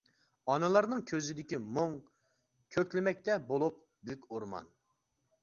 ئانىلارنىڭ كۆزىدىكى مۇڭ، كۆكلىمەكتە بولۇپ بۈك ئورمان.